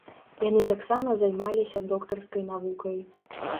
Яны таксама займаліся доктарскай навукай.